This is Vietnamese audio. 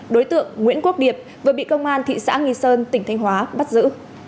đối tượng nguyễn quốc điệp vừa bị công an thị xã nghi sơn tỉnh thanh hóa bắt giữ